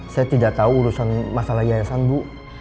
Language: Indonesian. saya tidak tahu urusan masalah yayasan bu